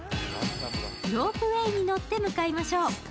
ロープウエーに乗って向かいましょう。